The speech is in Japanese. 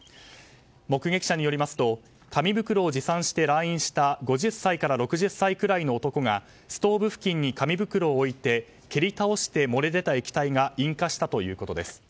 目撃者によりますと紙袋を持参して来院した５０歳から６０歳くらいの男がストーブ付近に紙袋を置いて蹴り倒して漏れ出た液体が引火したということです。